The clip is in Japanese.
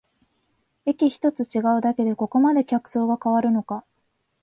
駅ひとつ違うだけでここまで客層が変わるのか